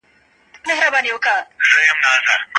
په څېړنه کي علمي میتودونه په دقیق ډول کاریږي.